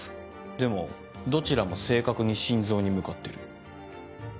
でもどちらも正確に心臓に向かってる。